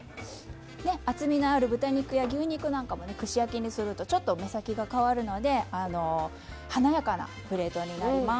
厚みのある豚肉や牛肉なんかでも串焼きにすると目先が変わるので華やかなプレートになります。